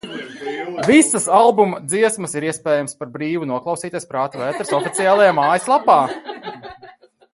Visas albuma dziesmas ir iespējams par brīvu noklausīties Prāta Vētras oficiālajā mājas lapā.